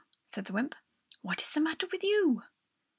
said the wymp. "What is the matter with you?"